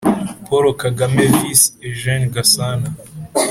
Paul Kagame Vs Eugčne Gasana.